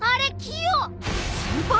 あれ？